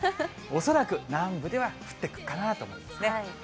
恐らく南部では降ってくるかなと思いますね。